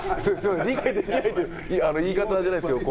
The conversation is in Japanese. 理解できないという言い方じゃないですけど。